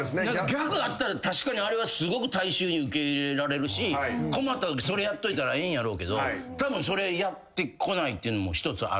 ギャグあったら確かにあれはすごく大衆に受け入れられるし困ったときそれやっといたらええんやろうけどたぶんそれやってこないっていうのも一つあるよね。